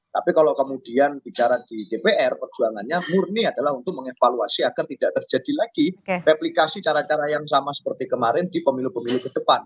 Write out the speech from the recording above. tapi kalau kemudian bicara di dpr perjuangannya murni adalah untuk mengevaluasi agar tidak terjadi lagi replikasi cara cara yang sama seperti kemarin di pemilu pemilu ke depan